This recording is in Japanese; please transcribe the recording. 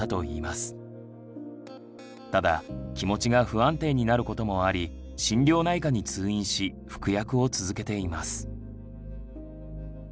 ただ気持ちが不安定になることもあり心療内科に通院し服薬を続けています。